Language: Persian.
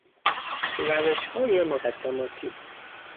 روشهای مقدماتی